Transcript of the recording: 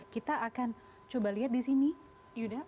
kita akan coba lihat disini yuda